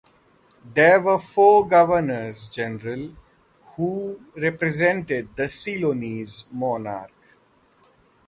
There were four governors-general who represented the Ceylonese monarch.